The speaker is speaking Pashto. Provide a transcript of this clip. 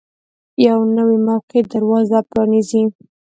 یوه نوې موقع دروازه پرانیزي.